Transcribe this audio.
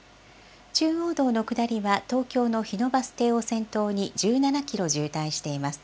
中央道の下りは東京の日野バス停を先頭に１７キロ渋滞しています。